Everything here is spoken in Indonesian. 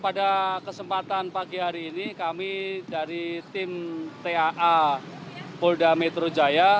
pada kesempatan pagi hari ini kami dari tim taa polda metro jaya